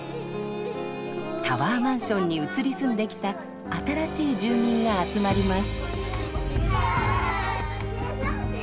タワーマンションに移り住んできた新しい住民が集まります。